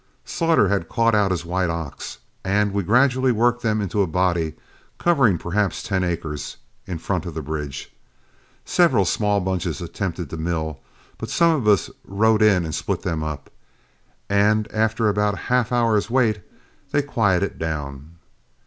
Slaughter had caught out his white ox, and we gradually worked them into a body, covering perhaps ten acres, in front of the bridge. Several small bunches attempted to mill, but some of us rode in and split them up, and after about half an hour's wait, they quieted down.